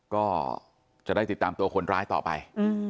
ก็จะได้ติดตามตัวคนร้ายต่อไป